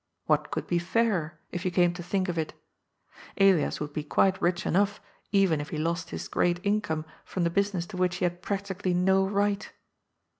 What conld be fairer, if you came to think of it ? Elias wonld be quite rich enough, eyen if he lost this great in come from the business to which he had practically no right.